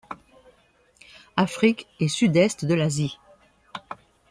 Afrique et sud-est de l'Asie.